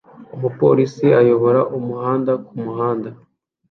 Umupolisi ayobora umuhanda kumuhanda